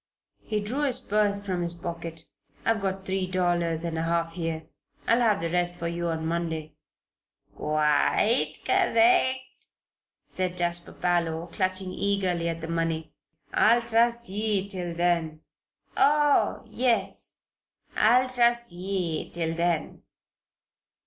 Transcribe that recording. He drew his purse from his pocket. "I've got three dollars and a half here. I'll have the rest for you on Monday." "Quite correct," said Jasper Parloe, clutching eagerly at the money. "I'll trust ye till then oh, yes! I'll trust ye till then."